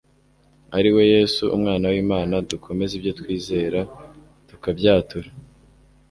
ari we Yesu Umwana w'Imana, dukomeze ibyo twizera tukabyatura.